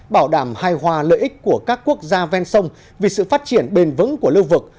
bảo đảm hài hòa lợi ích của các quốc gia ven sông vì sự phát triển bền vững của lưu vực